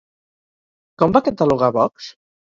Com va catalogar Vox?